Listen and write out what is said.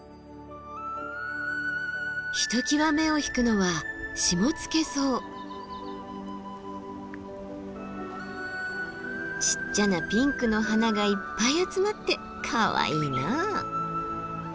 ひときわ目を引くのはちっちゃなピンクの花がいっぱい集まってかわいいな。